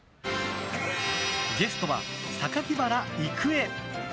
ゲストは榊原郁恵。